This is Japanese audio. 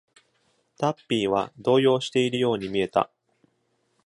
タッピーは動揺しているように見えた。